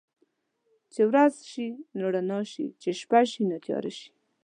چې ورځ شي نو رڼا شي، چې شپه شي نو تياره شي.